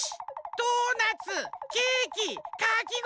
ドーナツケーキかきごおりだ！